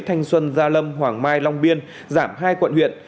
thanh xuân gia lâm hoàng mai long biên giảm hai quận huyện